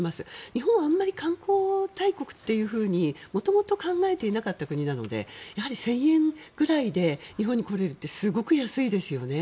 日本はあまり観光大国というふうに元々、考えていなかった国なのでやはり１０００円ぐらいで日本に来れるってすごく安いですよね。